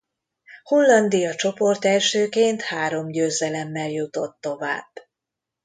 Hollandia csoportelsőként három győzelemmel jutott tovább.